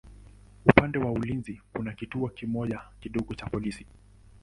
Upande wa ulinzi kuna kituo kimoja kidogo cha polisi.